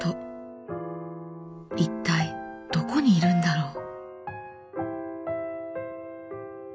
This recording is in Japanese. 一体どこにいるんだろう」。